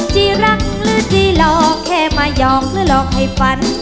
จีรักหรือจีหลอกแค่มาหยอกหรือหลอกให้ฝัน